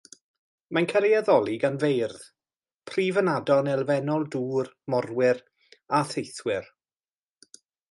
Mae'n cael ei addoli gan feirdd, prifynadon elfennol dŵr, morwyr a theithwyr.